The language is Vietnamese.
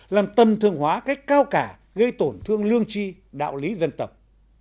làm tầm thương hóa cách cao cả gây tổn thương lương tri đạo lý dân tộc